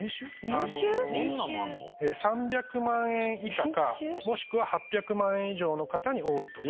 年収⁉３００万円以下かもしくは８００万円以上の方に多い。